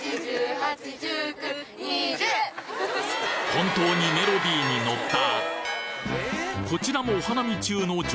本当にメロディーにノった！